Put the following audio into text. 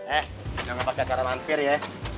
eh jangan pakai cara lampir ya